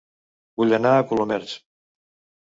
Vull anar a Colomers